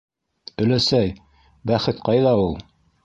Өләсәй, бәхет ҡайҙа ул?